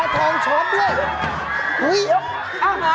ของพี่ดูให้